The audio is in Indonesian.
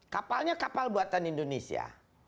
kapalnya kapal buatan indonesia